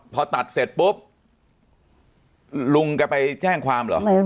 พอตัดเสร็จปุ๊บลุงแกไปแจ้งความเหรอ